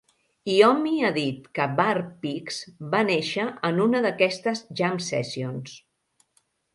Iommi ha dit que "War Pigs" va néixer en una d'aquestes jam-sessions.